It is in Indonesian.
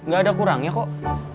gak ada kurangnya kok